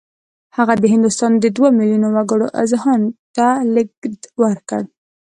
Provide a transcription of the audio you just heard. هغه د هندوستان د دوه میلیونه وګړو اذهانو ته لېږد ورکړ